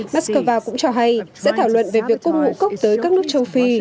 moscow cũng cho hay sẽ thảo luận về việc cung ngũ cốc tới các nước châu phi